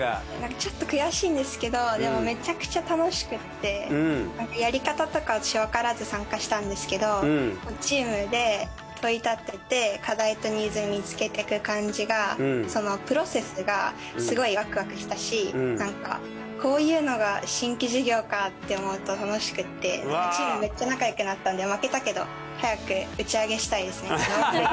ちょっと悔しいんですけどでもめちゃくちゃ楽しくってやり方とか私わからず参加したんですけどチームで問いたてて課題とニーズ見つけてく感じがそのプロセスがすごいワクワクしたしなんかこういうのが新規事業かって思うと楽しくてチームめっちゃ仲よくなったんで負けたけど早く打ち上げしたいですね。